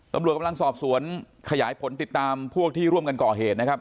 ตำรวจกำลังสอบสวนขยายผลติดตามพวกที่ร่วมกันก่อเหตุนะครับ